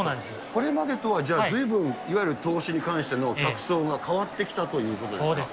これまでとは、ずいぶん、いわゆる投資に関しての客層が変わってきたということですか。